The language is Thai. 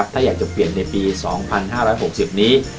ถ้าอยากจะเปลี่ยนในปี๒๕๖๐นี้